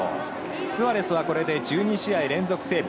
スアレスはこれで１２試合連続セーブ。